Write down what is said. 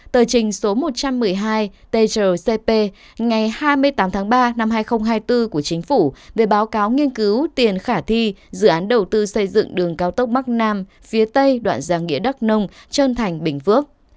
tờ trình số một trăm một mươi hai tgcp ngày hai mươi tám tháng ba năm hai nghìn hai mươi bốn của chính phủ về báo cáo nghiên cứu tiền khả thi dự án đầu tư xây dựng đường cao tốc bắc nam phía tây đoạn giang nghĩa đắc nông trơn thành bình phước